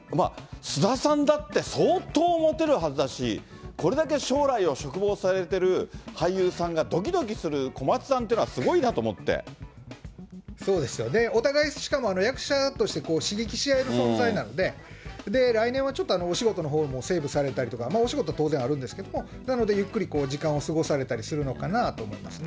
菅田さんだって相当もてるはずだし、これだけ将来を嘱望されてる俳優さんがどきどきする小松さんといそうですよね、お互いしかも役者として刺激し合える存在なので、来年はちょっと、お仕事のほうもセーブされたりとか、お仕事、当然あるんですけれども、なのでゆっくり時間を過ごされたりするのかなと思いますね。